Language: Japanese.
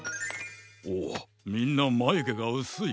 おみんなまゆげがうすい。